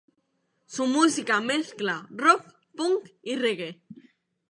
Su música mezcla rock, punk y reggae.